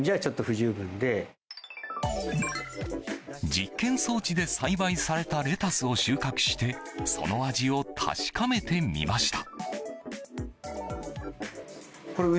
実験装置で栽培されたレタスを収穫してその味を確かめてみました。